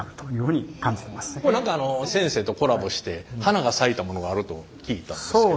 何か先生とコラボして花が咲いたものがあると聞いたんですけど。